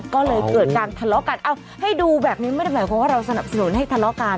ก็เลยเกิดการทะเลาะกันเอาให้ดูแบบนี้ไม่ได้หมายความว่าเราสนับสนุนให้ทะเลาะกัน